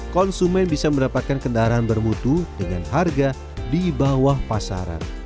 konsumen bisa mendapatkan kendaraan bermutu dengan harga di bawah pasaran